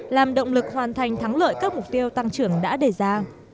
làm động lực hoàn thành thắng lợi các mục tiêu tăng trưởng đã đề ra